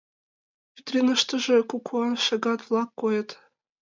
Витринылаштыже кукуан шагат-влак койыт.